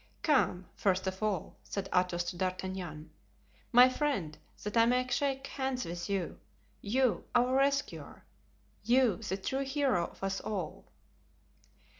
"Come, first of all," said Athos to D'Artagnan, "my friend, that I may shake hands with you—you, our rescuer—you, the true hero of us all."